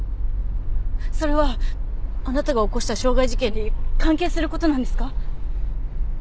それはあなたが起こした傷害事件に関係する事なんですか？